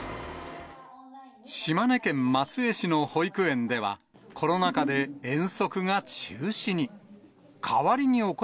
島根県松江市の保育園では、コロナ禍で遠足が中止に。